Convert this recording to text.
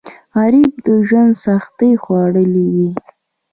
غریب د ژوند سختۍ خوړلي وي